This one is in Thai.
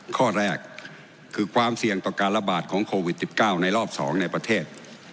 ข้อแรกคือความเสี่ยงต่อการระบาดของโควิด๑๙ในรอบ๒ในประเทศ